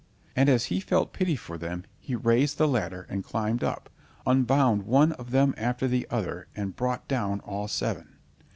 And as he felt pity for them, he raised the ladder, and climbed up, unbound one of them after the other, and brought down all seven.